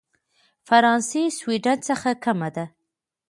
فرانسې سوېډن څخه کمه ده.